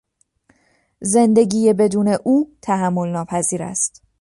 زندگی بدون او، تحملناپذیر است.